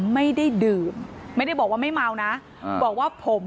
เมื่อเวลาอันดับ